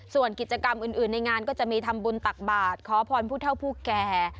ส่วนกิจกรรมอื่นในงานก็จะมีทำบุญตักบาทขอพรผู้เท่าผู้แก่